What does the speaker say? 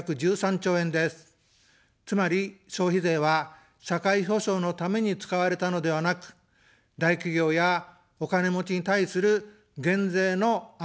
つまり、消費税は社会保障のために使われたのではなく、大企業やお金持ちに対する減税の穴埋めに使われたのです。